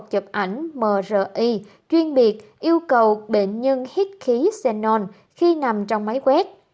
một chụp ảnh mri chuyên biệt yêu cầu bệnh nhân hít khí xenon khi nằm trong máy quét